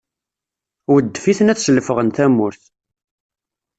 Weddef-iten ad slefɣen tamurt.